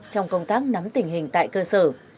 trong công tác nắm tình hình tại cơ sở